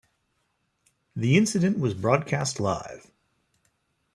The incident was broadcast live.